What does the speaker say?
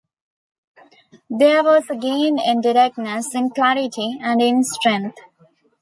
There was a gain in directness, in clarity, and in strength.